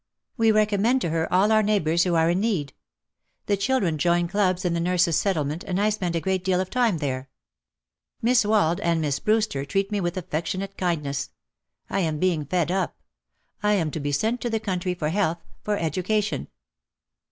We recommend to her all our neigh bours who are in need. The children join clubs in the Nurses' Settlement and I spend a great deal of time there. Miss Wald and Miss Brewster treat me with affection ate kindness. I am being fed up. I am to be sent to the country for health, for education.'